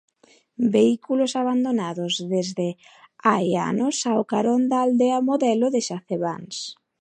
Vehículos abandonados "desde hai anos" ao carón da 'aldea modelo' de Xacebáns.